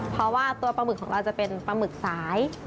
เพราะว่าตัวปลาหมึกของเราจะเป็นปลาหมึกสาย